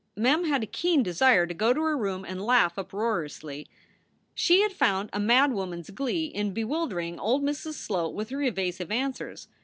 Mem had a keen desire to go to her room and laugh uproariously. She had found a madwoman s glee in bewilder ing old Mrs. Sloat with her evasive answers.